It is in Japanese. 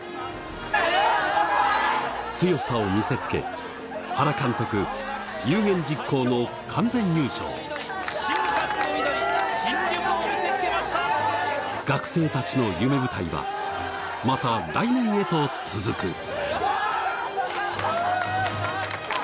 強さを見せつけ原監督有言実行の完全優勝学生たちの夢舞台はまた来年へと続く